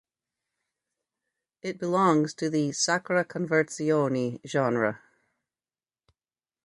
It belongs to the "sacra conversazione" genre.